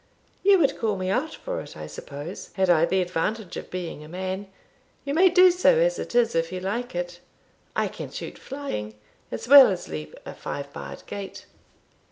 "You would call me out for it, I suppose, had I the advantage of being a man You may do so as it is, if you like it I can shoot flying, as well as leap a five barred gate."